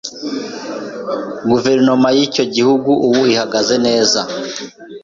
Guverinoma yicyo gihugu ubu ihagaze neza.